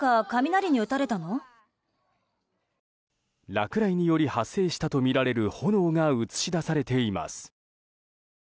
落雷により発生したとみられる炎が映し出されています。